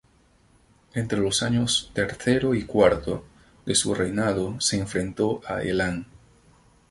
Entre los años tercero y cuarto de su reinado se enfrentó a Elam.